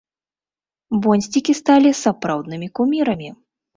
Бонсцікі сталі сапраўднымі кумірамі!